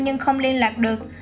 nhưng không liên lạc được